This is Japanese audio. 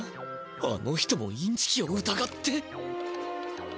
あの人もインチキをうたがって。